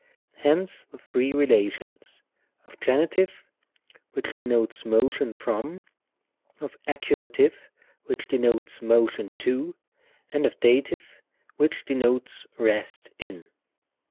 Hence the three relations : of Gen., which de notes motion from ; of Accus., which denotes motion to ; and of Dat., which denotes rest in.